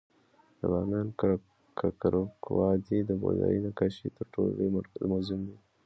د بامیانو ککرک وادي د بودايي نقاشیو تر ټولو لوی موزیم دی